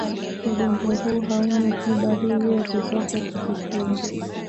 ugonjwa huu hauna tiba hivyo yatupasa tujikinge